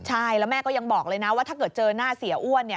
ใช่แล้วแม่ก็ยังบอกเลยนะว่าถ้าเกิดเจอหน้าเสียอ้วน